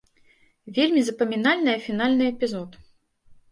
Вельмі запамінальная фінальны эпізод.